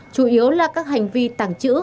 chủ yếu là các hành vi tàng trữ